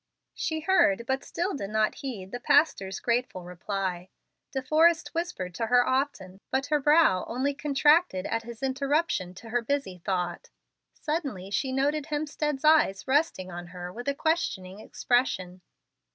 She heard, but still did not heed the pastor's grateful reply. De Forrest whispered to her often, but her brow only contracted at his interruption to her busy thought. Suddenly she noted Hemstead's eye resting on her with a questioning expression.